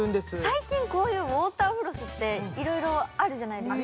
最近こういうウォーターフロスっていろいろあるじゃないですか。